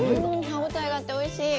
歯応えがあって、おいしい。